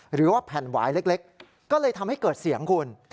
หรือว่าแผ่นหวายเล็กก็เลยทำให้เกิดเสียงคุณ